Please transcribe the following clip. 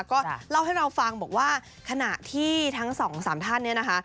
ก็เล่าให้เราฟังบอกว่าขณะที่ทั้งสองสามท่านเนี่ยนะคะ